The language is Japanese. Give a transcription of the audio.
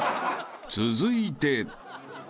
［続いて］え！